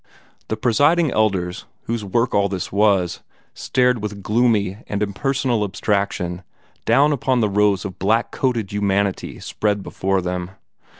The Presiding Elders, whose work all this was, stared with gloomy and impersonal abstraction down upon the rows of blackcoated humanity spread before them.